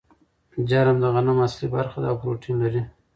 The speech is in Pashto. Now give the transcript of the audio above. جرم د غنم اصلي برخه ده او پروټین لري.